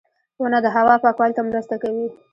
• ونه د هوا پاکوالي ته مرسته کوي.